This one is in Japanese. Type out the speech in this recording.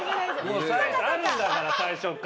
あるんだから最初から。